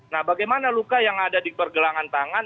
nah bagaimana luka yang ada di pergelangan tangan